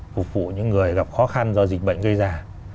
phục vụ những người gặp khó khăn do dịch bệnh gây ra